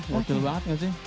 gokil banget gak sih